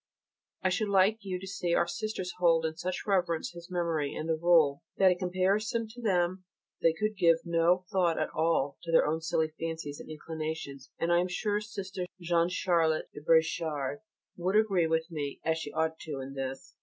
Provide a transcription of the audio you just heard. I should like to see our Sisters hold in such reverence his memory, and the Rule, that in comparison to them they could give no thought at all to their own silly fancies and inclinations, and I am sure Sister Jeanne Charlotte (de Bréchard) would agree with me, as she ought to in this.